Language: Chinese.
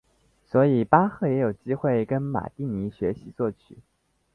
所以巴赫也有机会跟马蒂尼学习作曲。